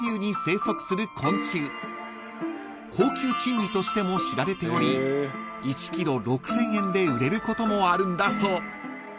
［高級珍味としても知られており１ｋｇ６，０００円で売れることもあるんだそう］